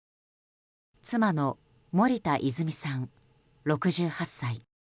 妻の森田泉さん、６８歳。